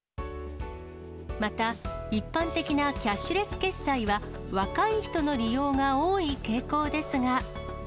また一般的なキャッシュレス決済は、若い人の利用が多い傾向ですが。